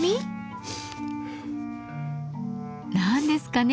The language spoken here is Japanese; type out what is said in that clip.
何ですかね？